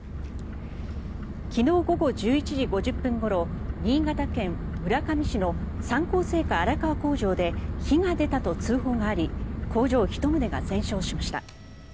昨日午後１１時５０分ごろ新潟県村上市の三幸製菓荒川工場で火が出たと通報があり工場１棟が全焼しました。